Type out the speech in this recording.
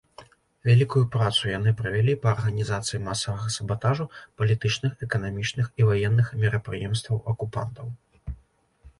Вялікую працу яны правялі па арганізацыі масавага сабатажу палітычных, эканамічных і ваенных мерапрыемстваў акупантаў.